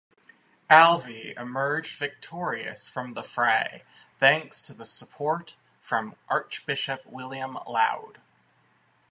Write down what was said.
Alvey emerged victorious from the fray, thanks to the support from Archbishop William Laud.